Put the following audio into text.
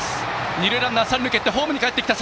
二塁ランナーはホームにかえってきた。